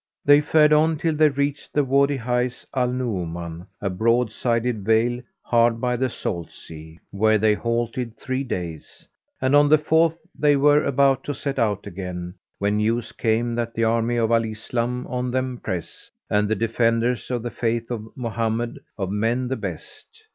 They fared on till they reached the Wady hight Al Nu'uman, a broad sided vale hard by the Salt Sea, where they halted three days; and on the fourth they were about to set out again, when news came that the army of Al Islam on them press, and the defenders of the faith of Mohammed, of Men the Best.